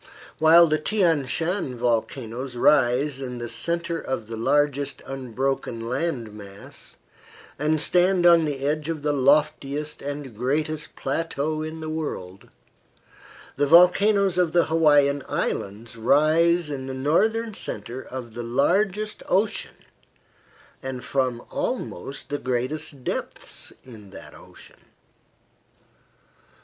While the Thian Shan volcanoes rise in the centre of the largest unbroken land mass, and stand on the edge of the loftiest and greatest plateau in the world, the volcanoes of the Hawaiian Islands rise in the northern centre of the largest ocean and from almost the greatest depths in that ocean.